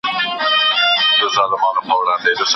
پشو وویل چرګوړی د مُلا وو